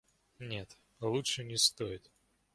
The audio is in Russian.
Нет, лучше не стоит.